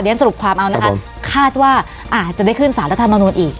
เรียนสรุปความเอานะครับครับผมคาดว่าอ่าจะได้ขึ้นสารธรรมนุษย์อีก